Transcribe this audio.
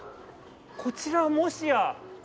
こちらはもしや。